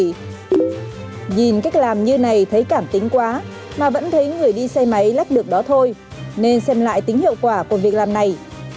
nhìn cách làm như này thấy cảm tính quá mà vẫn thấy người đi xe máy lắp được đó thôi nên xem lại tính hiệu quả của việc làm này